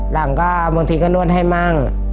หลังก็บางทีก็นวดให้มั่ง